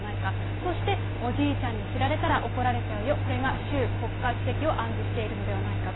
そしておじいちゃんに知られたら怒られちゃうよ、これが習国家主席を暗示しているのではないかと。